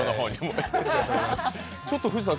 ちょっと藤田さん